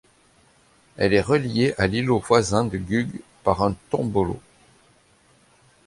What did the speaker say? Elle est reliée à l'îlot voisin de Gugh par un tombolo.